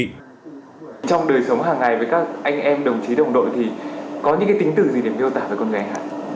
trong đời sống hàng ngày với các anh em đồng chí đồng đội thì có những tính từ gì để biêu tả về con người hải hải